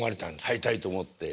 入りたいと思って。